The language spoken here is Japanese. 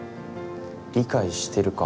理解してるか。